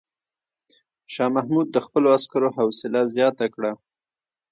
شاه محمود د خپلو عسکرو حوصله زیاته کړه.